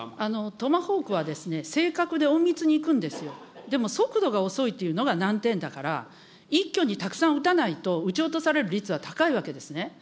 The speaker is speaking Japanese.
トマホークは、正確で隠密に行くんですよ、でも速度が遅いというのが難点だから、一挙にたくさん撃たないと、撃ち落とされる率は高いわけですね。